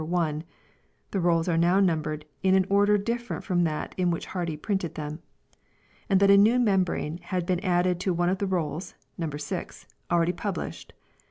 i (the rolls are now numbered in an order different from that in which Hardy printed them) ; and that a new membrane had been added to one of the Rolls (No. 6) 2 already published.